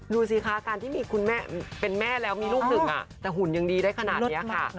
ดูสิคะการที่มีคุณแม่เป็นแม่แล้วมีลูกหนึ่งแต่หุ่นยังดีได้ขนาดนี้ค่ะ